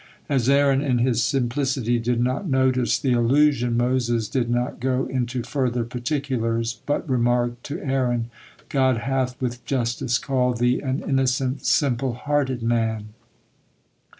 As Aaron, in his simplicity, did not notice the allusion, Moses did not go into further particulars, but remarked to Aaron: "God hath with justice called thee an innocent, simple hearted man."